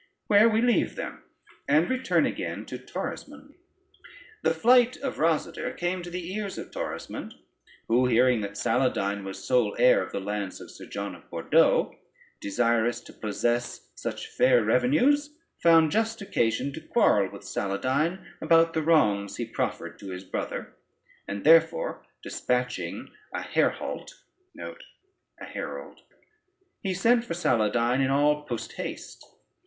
Where we leave them, and return again to Torismond. The flight of Rosader came to the ears of Torismond, who hearing that Saladyne was sole heir of the lands of Sir John of Bordeaux, desirous to possess such fair revenues, found just occasion to quarrel with Saladyne about the wrongs he proffered to his brother: and therefore, dispatching a herehault, he sent for Saladyne in all post haste.